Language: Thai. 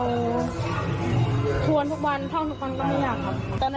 ไม่อยากครับถ้าเราทวนทุกวันท่องทุกวันก็ไม่อยากครับ